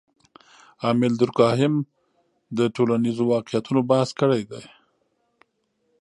امیل دورکهایم د ټولنیزو واقعیتونو بحث کړی دی.